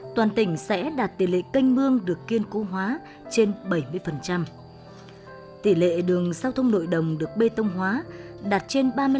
toàn tỉnh sẽ đạt tỷ lệ canh mương được kiên cố hóa trên bảy mươi tỷ lệ đường giao thông nội đồng được bê tông hóa đạt trên ba mươi